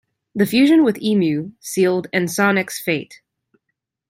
The fusion with E-mu sealed Ensoniq's fate.